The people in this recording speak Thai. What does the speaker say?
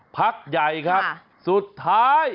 พักใหญ่ครับสุดท้าย